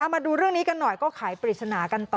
มาดูเรื่องนี้กันหน่อยก็ขายปริศนากันต่อ